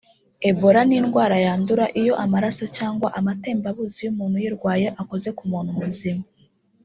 Ebola ni indwara yandura iyo amaraso cyangwa amatembabuzi y’umuntu uyirwaye akoze ku muntu muzima